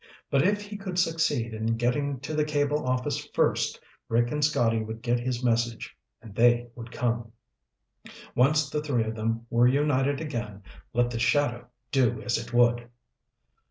But if he could succeed in getting to the cable office first, Rick and Scotty would get his message, and they would come. Once the three of them were united again, let the shadow do as it would!